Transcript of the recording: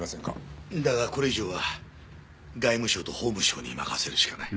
だがこれ以上は外務省と法務省に任せるしかない。